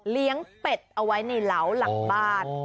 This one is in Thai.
เป็ดเอาไว้ในเหลาหลังบ้าน